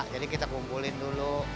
jadi kita kumpulin dulu